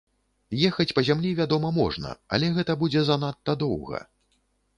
Ехаць па зямлі вядома можна, але гэта будзе занадта доўга.